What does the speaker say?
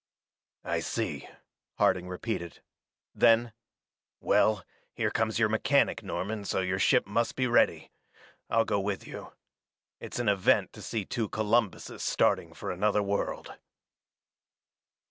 "I see," Harding repeated. Then "Well, here comes your mechanic, Norman, so your ship must be ready. I'll go with you. It's an event to see two Columbuses starting for another world."